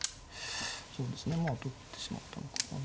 そうですねまあ取ってしまったのかな。